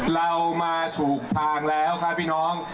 เรามาถูกทางแล้วค่ะพี่น้อง